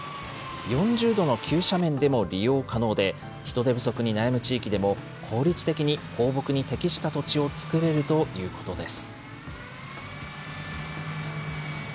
４０度の急斜面でも利用可能で、人手不足に悩む地域でも、効率的に放牧に適した土地を作れるということです。